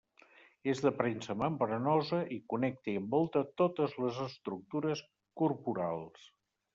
És d'aparença membranosa i connecta i envolta totes les estructures corporals.